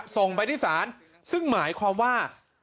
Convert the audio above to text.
ส่งไปที่ศาลซึ่งหมายความว่า